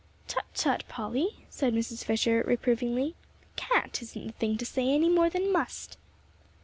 "Tut, tut, Polly," said Mrs. Fisher, reprovingly; "'can't' isn't the thing to say any more than 'must.'"